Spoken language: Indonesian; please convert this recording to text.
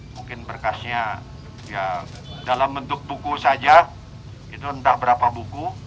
mungkin berkasnya ya dalam bentuk buku saja itu entah berapa buku